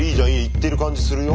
いってる感じするよ。